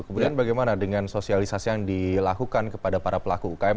kemudian bagaimana dengan sosialisasi yang dilakukan kepada para pelaku ukm